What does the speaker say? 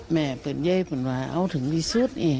แม่เป็นเย้เป็นว่าเอาถึงที่สุดเอง